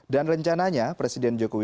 dan rencananya presiden joko widodo akui